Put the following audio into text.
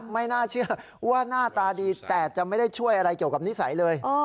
ไม่น่าเชื่อว่าหน้าตาดีแต่จะไม่ได้ช่วยอะไรเกี่ยวกับนิสัยเลย